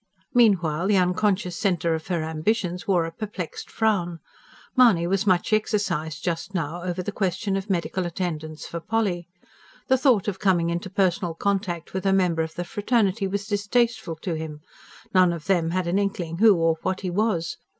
Meanwhile the unconscious centre of her ambitions wore a perplexed frown. Mahony was much exercised just now over the question of medical attendance for Polly. The thought of coming into personal contact with a member of the fraternity was distasteful to him; none of them had an inkling who or what he was.